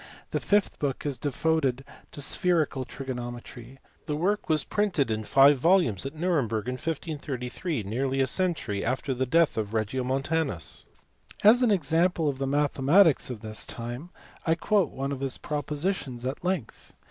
The fifth book is devoted to spherical trigonometry. The work was printed in five volumes at Nuremberg in 1533, nearly a century after the death of Regiomontanus. As an example of the mathematics of this time I quote one of his propositions at length.